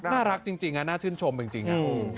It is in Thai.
น่ารักจริงน่าชื่นชมจริง